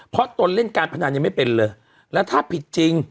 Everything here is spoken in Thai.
เพราะตนเล่นการพนันยังไม่เป็นเลยแล้วถ้าผิดจริง